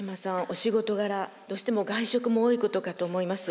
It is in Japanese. お仕事柄どうしても外食も多いことかと思います。